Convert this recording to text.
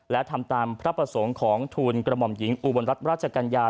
และทำตามพระประสงค์ของทูลกระหม่อมหญิงอุบลรัฐราชกัญญา